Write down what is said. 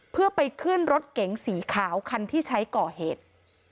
เพื่อไปเคลื่อนรถเก่งสีขาวรถที่ใช้ก่อเหตุ